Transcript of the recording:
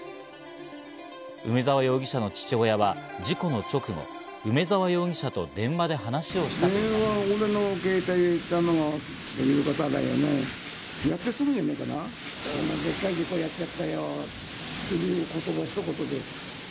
梅沢容疑者の父親は事故の直後、梅沢容疑者と電話で話を使用したということです。